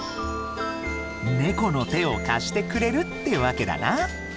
ネコの手を貸してくれるってわけだな。